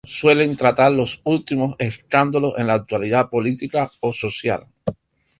Suelen tratar los últimos escándalos en la actualidad política o social.